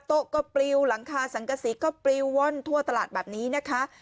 โต๊ะก็ปลิวหลังคาสังกษีก็ปลิวว่อนทั่วตลาดแบบนี้นะคะ